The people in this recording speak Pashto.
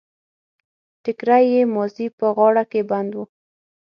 ټکری يې مازې په غاړه کې بند و.